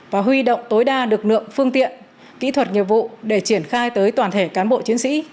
và huy động tối đa lực lượng phương tiện kỹ thuật nghiệp vụ để triển khai tới toàn thể cán bộ chiến sĩ